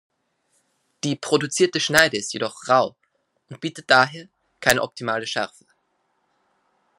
Die produzierte Schneide ist jedoch rau und bietet daher keine optimale Schärfe.